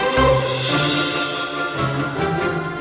cepet keluar sekarang